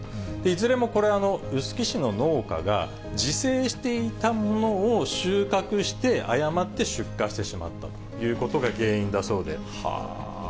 いずれもこれ、臼杵市の農家が、自生していたものを収穫して、誤って出荷してしまったということが原因だそうで。